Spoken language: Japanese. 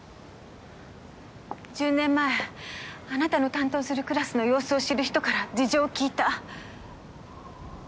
１０年前あなたの担当するクラスの様子を知る人から事情を聞いた。